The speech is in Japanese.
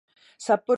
札幌市東区